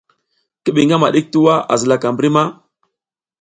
Ki ɓi ngama ɗik tuwa a zilaka mbri ma ?